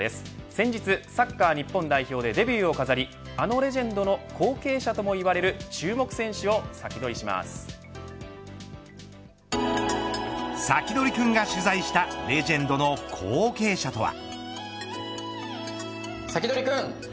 先月サッカー代表でデビューを飾りあのレジェンドの後継者ともいわれる注目選手をサキドリくんが取材したレジェンドの後継者とは。